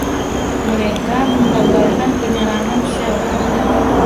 Mereka menggagalkan penyerangan Celt.